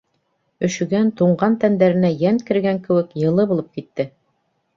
Өшөгән, туңған тәндәренә йән кергән кеүек, йылы булып китте.